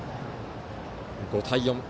５対４。